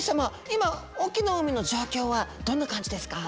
今隠岐の海の状況はどんな感じですか？